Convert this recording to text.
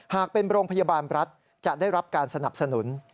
หากเป็นโรงพยาบาลรัฐจะได้รับการสนับสนุน